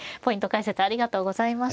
解説ありがとうございました。